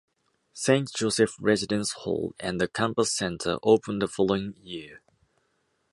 Saint Joseph Residence Hall and the Campus Center opened the following year.